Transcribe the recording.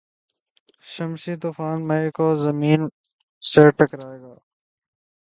شمسی طوفان مئی کو زمین سے ٹکرائے گا